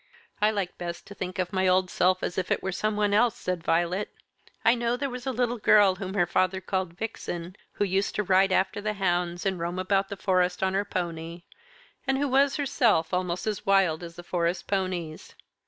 "I like best to think of my old self as if it were someone else," said Violet. "I know there was a little girl whom her father called Vixen, who used to ride after the hounds, and roam about the Forest on her pony; and who was herself almost as wild as the Forest ponies.